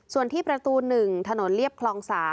ส่วนที่ประตู๑ถนนเรียบคลอง๓